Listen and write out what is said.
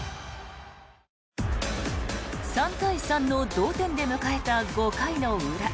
３対３の同点で迎えた５回の裏。